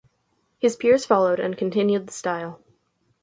His peers followed and continued the style.